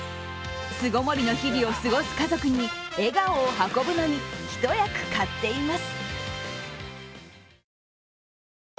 巣ごもりの日々を暮らす家族に笑顔を運ぶのに一役買っています。